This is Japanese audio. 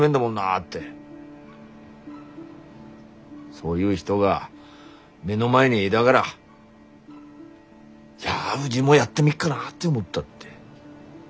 「そういう人が目の前にいだがらじゃあうぢもやってみっかなって思った」って。